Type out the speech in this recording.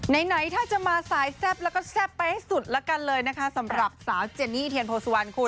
ไหนถ้าจะมาสายแซ่บแล้วก็แซ่บไปให้สุดแล้วกันเลยนะคะสำหรับสาวเจนี่เทียนโพสุวรรณคุณ